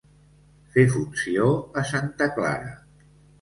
Fer funció a santa Clara.